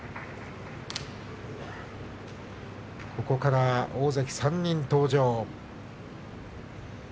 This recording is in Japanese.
ここから大関３人登場。